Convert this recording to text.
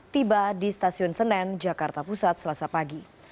tiba di stasiun senen jakarta pusat selasa pagi